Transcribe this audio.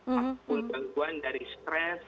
ataupun gangguan dari stres